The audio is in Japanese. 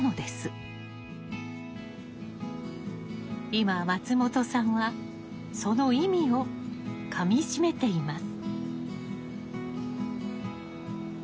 今松本さんはその意味をかみしめています。